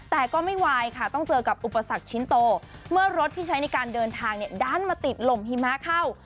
แต่ก็ไม่วายค่ะต้องเจอกับอุปสรรคชิ้นโตเมื่อรถที่ใช้ในการเดินทางเนี่ยดันมาติดลมหิมะเข้า